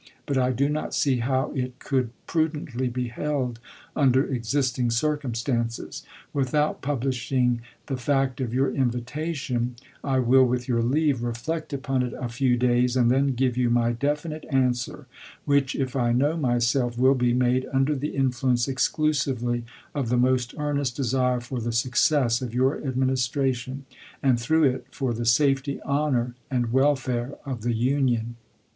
But I do not see how it could prudently be held under existing circumstances. Without publishing the fact of your invitation, I will, with your leave, reflect upon it a few days, and then give you my definite answer, which, if I know myself, will be made under the influence exclusively of the most earnest desire for the success of your Administration, and through it for the safety, honor, and welfare of the Union.